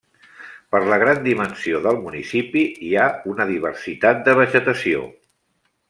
Per la gran dimensió del municipi, hi ha una diversitat de vegetació.